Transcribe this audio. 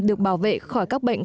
được bảo vệ khỏi các bệnh